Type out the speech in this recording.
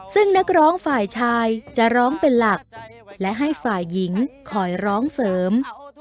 ซึ่งนักร้องฝ่ายชายจะร้องเป็นหลักและให้ฝ่ายหญิงคอยร้องเสริม